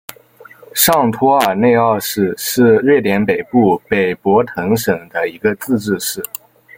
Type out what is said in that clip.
上托尔内奥市是瑞典北部北博滕省的一个自治市。